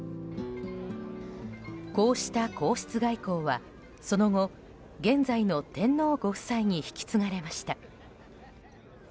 こうした皇室外交は、その後現在の天皇ご夫妻に引き継がれました。